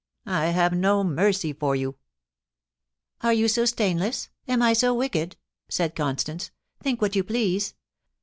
I have no mercy for you.' * Are you so stainless ? Am I so wicked ?* said Constance, * Think what you please.